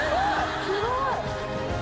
すごい。